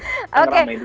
oke mas adi